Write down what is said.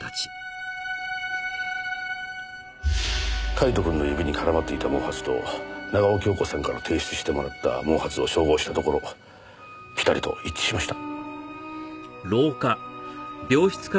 カイトくんの指に絡まっていた毛髪と長尾恭子さんから提出してもらった毛髪を照合したところぴたりと一致しました。